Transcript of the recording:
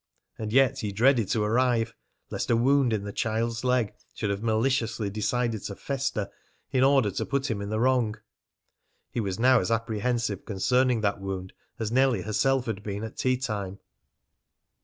And yet he dreaded to arrive, lest a wound in the child's leg should have maliciously decided to fester in order to put him in the wrong. He was now as apprehensive concerning that wound as Nellie herself had been at tea time.